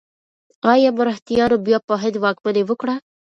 ایا مرهټیانو بیا په هند واکمني وکړه؟